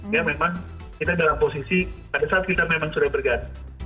ya memang kita dalam posisi pada saat kita memang sudah berganti